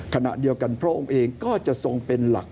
ขณะเดียวกันพระองค์เองก็จะทรงเป็นหลัก